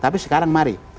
tapi sekarang mari